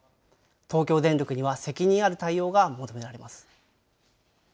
東京電力には責任ある対応が求められます。